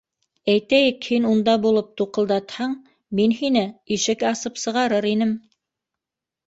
Әйтәйек, һин унда булып, туҡылдатһаң, мин һине ишек асып сығарыр инем.